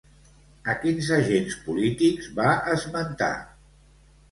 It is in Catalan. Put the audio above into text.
A quins agents polítics va esmentar?